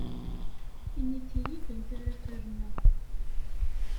Init-iyi-d anta ara ferneɣ.